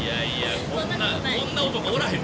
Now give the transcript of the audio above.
こんな男おらへん。